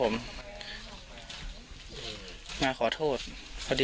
มาขอโทษด้วยที่บ้านด้วย